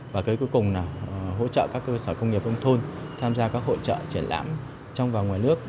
và cái cuối cùng là hỗ trợ các cơ sở công nghiệp nông thôn tham gia các hỗ trợ triển lãm trong và ngoài nước